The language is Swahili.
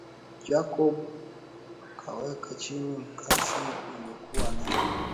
Jacob akaweka chini mkasi alokuwa nao